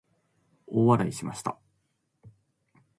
大笑いしました。